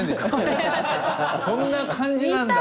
そんな漢字なんだ。